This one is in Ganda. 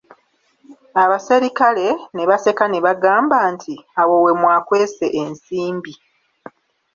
Abaserikale ne baseka ne bagamba nti awo we mwakwese ensimbi!